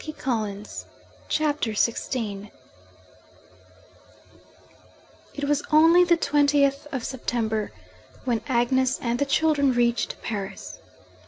THE FOURTH PART CHAPTER XVI It was only the twentieth of September, when Agnes and the children reached Paris.